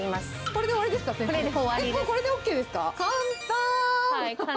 これでＯＫですか？